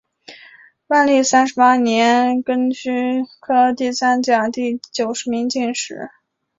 万历三十八年庚戌科第三甲第九十名进士。